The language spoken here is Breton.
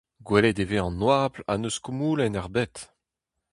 Gwelet e vez an oabl ha n'eus koumoulenn ebet.